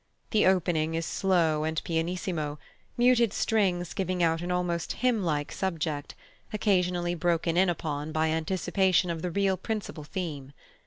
The opening is slow and pianissimo, muted strings giving out an almost hymn like subject, occasionally broken in upon by anticipation of the real principal theme.